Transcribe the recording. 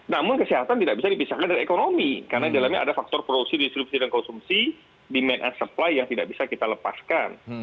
namun kesehatan tidak bisa dipisahkan dari ekonomi karena di dalamnya ada faktor produksi distribusi dan konsumsi demand and supply yang tidak bisa kita lepaskan